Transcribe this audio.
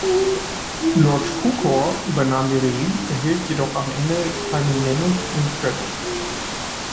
George Cukor übernahm die Regie, erhielt jedoch am Ende keinen Nennung im Credit.